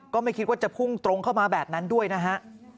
ก็ไม่คิดว่าจะพุ่งตรงเข้ามาแบบนั้นด้วยนะฮะ